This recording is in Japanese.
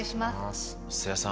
瀬谷さん。